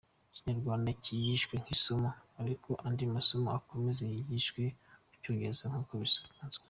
Ikinyarwanda kigishwe nk’isomo ariko andi masomo akomeze yigishwe mu Cyongereza nk’uko bisanzwe.